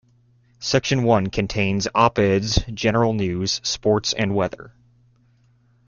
Section one contains op-eds, general news, sports, and weather.